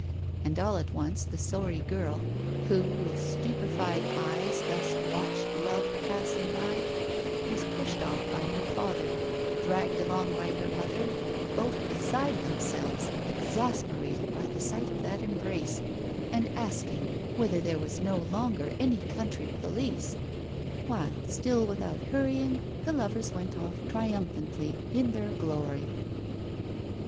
And all at once the sorry girl, who with stupefied eyes thus watched love passing by, was pushed off by her father, dragged along by her mother, both beside themselves, exasperated by the sight of that embrace, and asking whether there was no longer any country police, while, still without hurrying, the lovers went off triumphantly in their glory.